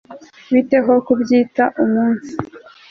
bite ho kubyita umunsi